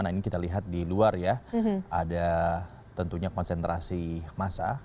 nah ini kita lihat di luar ya ada tentunya konsentrasi massa